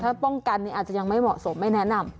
ถ้าป้องกันอาจจะยังไม่เหมาะสมไม่แนะนำ